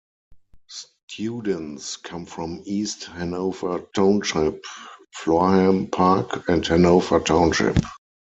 Students come from East Hanover Township, Florham Park and Hanover Township.